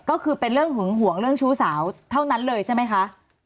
ก็คือเป็นเรื่องหึงห่วงเรื่องชู้สาวเท่านั้นเลยใช่ไหมคะ